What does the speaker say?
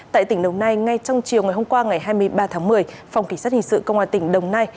tại tỉnh đồng nai ngay trong chiều ngày hôm qua ngày hai mươi ba tháng một mươi phòng kỳ sát hình sự công an tỉnh đồng nai